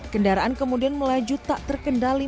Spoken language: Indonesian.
kendaraan kemudian melaju tak terkendali